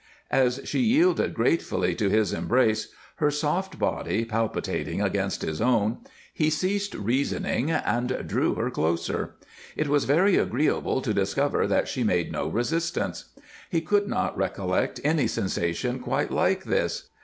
As she yielded gratefully to his embrace, her soft body palpitating against his own, he ceased reasoning and drew her closer. It was very agreeable to discover that she made no resistance; he could not recollect any sensation quite like this!